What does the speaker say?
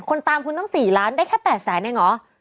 ตามคุณต้อง๔ล้านได้แค่๘แสนเองเหรอ